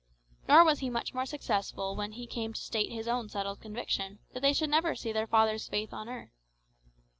Nor was he much more successful when he came to state his own settled conviction that they should never see their father's face on earth.